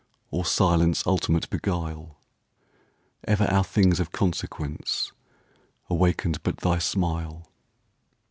Or silence ultimate beguile? Ever our things of consequenceAwakened but thy smile.